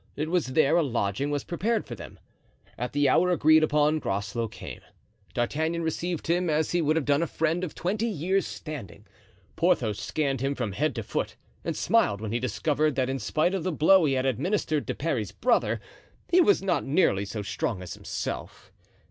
It was there a lodging was prepared for them. At the hour agreed upon Groslow came. D'Artagnan received him as he would have done a friend of twenty years' standing. Porthos scanned him from head to foot and smiled when he discovered that in spite of the blow he had administered to Parry's brother, he was not nearly so strong as himself.